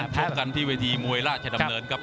พบกันที่เวทีมวยราชดำเนินครับ